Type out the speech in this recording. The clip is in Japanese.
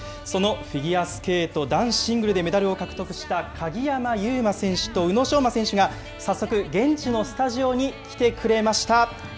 そのフィギュアスケート男子シングルでメダルを獲得した鍵山優真選手と宇野昌磨選手が、早速現地のスタジオに来てくれました。